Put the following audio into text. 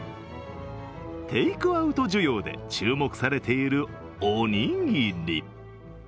テイクアウト需要で注目されている、おにぎり。